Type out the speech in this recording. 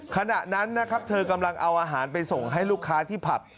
ขณะนั้นนะครับเธอกำลังเอาอาหารไปส่งให้ลูกค้าที่ผับ